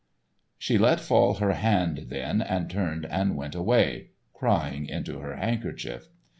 She let fall her hand then and turned and went away, crying into her handkerchief.